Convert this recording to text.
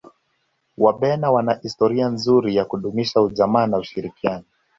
wabena wana historia nzuri ya kudumisha ujamaa na ushirikiano